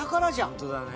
本当だね。